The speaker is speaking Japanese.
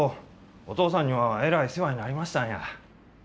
お父さんにはえらい世話になりましたんや。